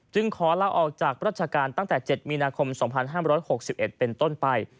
จึงขอล่าออกจากรัชกาลตั้งแต่เจ็ดมีนาคมสองพันห้ามร้อยหกสิบเอ็ดเป็นต้นไป